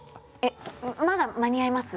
まだ間に合います？